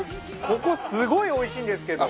ここすごい美味しいんですけど！